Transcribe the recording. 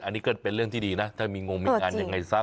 อันนี้ก็เป็นเรื่องที่ดีนะถ้ามีงงมีงานยังไงซะ